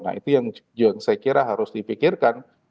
nah itu yang saya kira harus dipikirkan